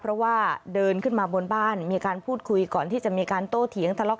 เพราะว่าเดินขึ้นมาบนบ้านมีการพูดคุยก่อนที่จะมีการโต้เถียงทะเลาะ